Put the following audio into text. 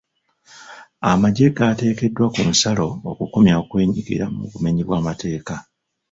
Amagye gaateekeddwa ku nsalo okukomya okwenyigira mu bumenyi bw'amateeka.